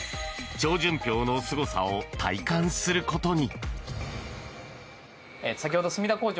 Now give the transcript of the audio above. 超純氷のすごさを体感することに。